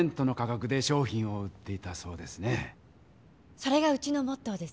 それがうちのモットーです。